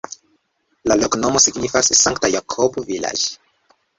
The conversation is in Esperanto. La loknomo signifas: Sankta-Jakobo-vilaĝ'.